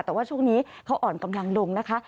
แต่ว่าช่วงนี้เขาอ่อนกำลังลงนะคะ